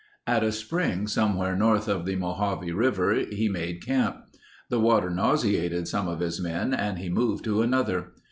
At a spring somewhere north of the Mojave River he made camp. The water nauseated some of his men and he moved to another.